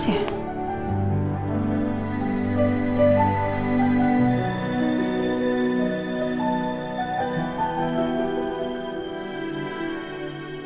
saya bilang tidur tidur